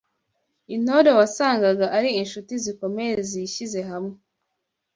Intore wasangaga ari inshuti zikomeye zishyize hamwe